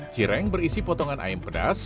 cireng berisi potongan ayam pedas